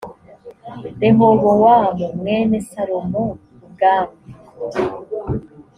rehobowamu mwene salomo ubwami